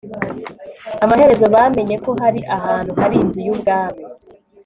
amaherezo bamenye ko hari ahantu hari inzu y ubwami